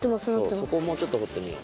そこをもうちょっとほってみよう。